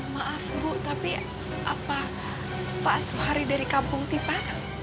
maaf bu tapi apa pak suhari dari kampung tipa